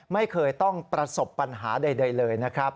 ไม่เคยต้องประสบปัญหาใดเลยนะครับ